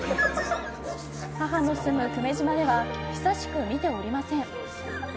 母の住む久米島では久しく見ておりません。